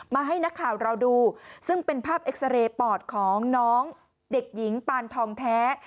ให้นักข่าวเราดูซึ่งเป็นภาพเอ็กซาเรย์ปอดของน้องเด็กหญิงปานทองแท้